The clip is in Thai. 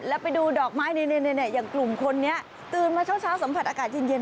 แล้วไปดูดอกไม้อย่างกลุ่มคนนี้ตื่นมาเช้าสัมผัสอากาศเย็น